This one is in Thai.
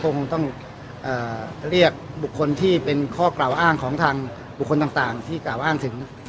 คงต้องเรียกบุคคลที่เป็นข้อกล่าวอ้างของทางบุคคลต่างที่กล่าวอ้างถึง